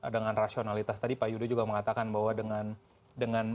dengan rasionalitas tadi pak yudo juga mengatakan bahwa dengan